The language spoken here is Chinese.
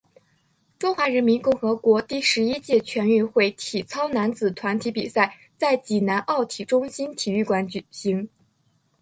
中华人民共和国第十一届全运会体操男子团体比赛在济南奥体中心体育馆举行。